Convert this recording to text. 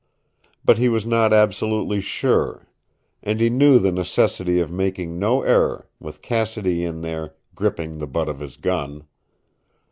But he was not absolutely sure. And he knew the necessity of making no error, with Cassidy in there, gripping the butt of his gun.